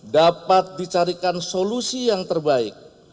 dapat dicarikan solusi yang terbaik